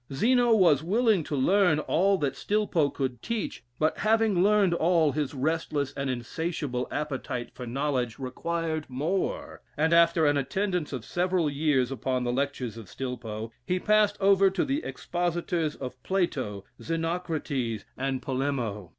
Zeno was willing to learn all that Stilpo could teach, but having learned all, his restless and insatiable appetite for knowledge required more, and after an attendance of several years upon the lectures of Stilpo, he passed over to the expositors of Plato, Xenocrates, and Polemo.